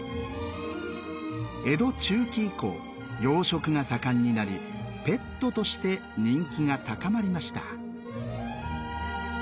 江戸中期以降養殖が盛んになりペットとして人気が高まりました。